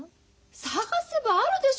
探せばあるでしょ